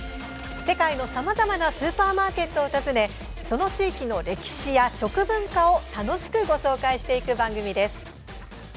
世界のさまざまなスーパーマーケットを訪ねその地域の歴史や食文化を楽しくご紹介していく番組です。